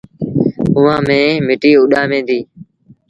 هوآ ميݩ مٽيٚ اُڏآمي ديٚ۔